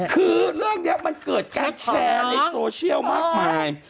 คือเรื่องนี้มันเกิดการแชร์ในโซเชียลมากมาย